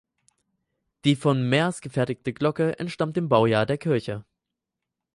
Die von "Mears" gefertigte Glocke entstammt dem Baujahr der Kirche.